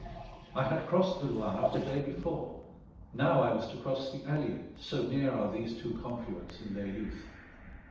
I had crossed the Loire the day before; now I was to cross the Allier; so near are these two confluents in their youth.